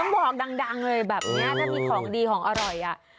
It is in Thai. บอกดังเลยแบบนี้ถ้ามีของดีของอร่อยอ่ะ